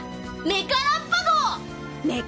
メカラッパ？